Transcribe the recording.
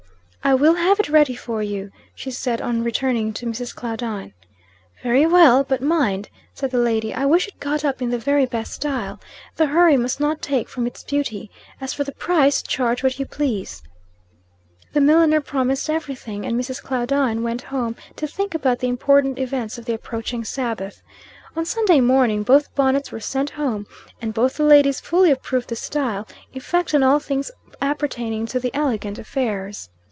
"I will have it ready for you," she said, on returning to Mrs. Claudine. "Very well. But mind," said the lady, "I wish it got up in the very best style. The hurry must not take from its beauty. As for the price, charge what you please." The milliner promised every thing, and Mrs. Claudine went home to think about the important events of the approaching Sabbath. On Sunday morning both bonnets were sent home, and both the ladies fully approved the style, effect, and all things appertaining to the elegant affairs.